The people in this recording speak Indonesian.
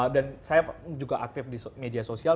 dan saya juga aktif di media sosial